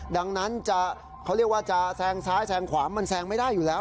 ดังนั้นเขาเรียกว่าจะแซงซ้ายแซงขวามันแซงไม่ได้อยู่แล้ว